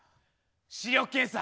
視力検査。